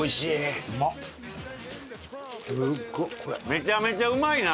めちゃめちゃうまいな！